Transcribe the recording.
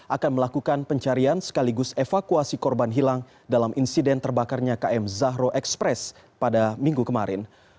akan melakukan pencarian sekaligus evakuasi korban hilang dalam insiden terbakarnya km zahro express pada minggu kemarin